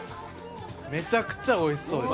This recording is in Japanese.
めちゃくちゃ美味しそうです。